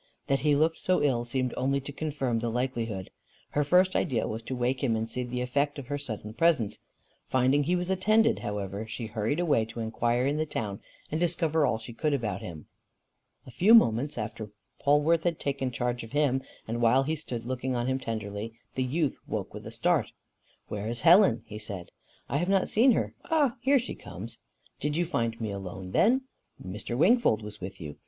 That he looked so ill seemed only to confirm the likelihood. Her first idea was to wake him and see the effect of her sudden presence. Finding he was attended, however, she hurried away to inquire in the town and discover all she could about him. A few moments after Polwarth had taken charge of him, and while he stood looking on him tenderly, the youth woke with a start. "Where is Helen?" he said. "I have not seen her. Ah, here she comes!" "Did you find me alone then?" "Mr. Wingfold was with you.